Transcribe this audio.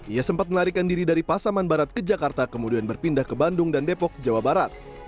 ia sempat melarikan diri dari pasaman barat ke jakarta kemudian berpindah ke bandung dan depok jawa barat